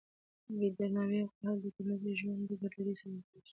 بې درناوي او قهر د ټولنیز ژوند د ګډوډۍ سبب کېږي.